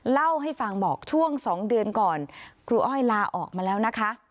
เล่าให้ฟังบอกช่วง๒เดือนก่อนครูอ้อยลาออกมาแล้วนะคะ